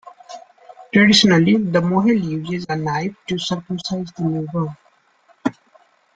Traditionally, the "mohel" uses a knife to circumcise the newborn.